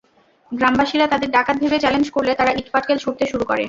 গ্রামবাসীরা তাদের ডাকাত ভেবে চ্যালেঞ্জ করলে তারা ইটপাটকেল ছুড়তে শুরু করে।